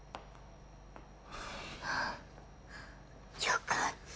よかった。